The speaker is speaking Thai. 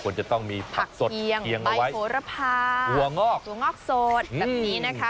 ควรจะต้องมีผักสดเคียงเอาไว้ใบโขระพาหัวงอกหัวงอกสดแบบนี้นะคะ